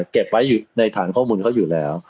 เก็บไว้อยู่ในฐานข้อมูลเขาอยู่แล้ว